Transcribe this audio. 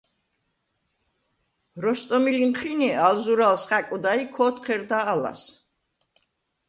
როსტომი ლინჴრინე ალ ზურა̄ლს ხა̈კვდა ი ქო̄თჴერდა ალას.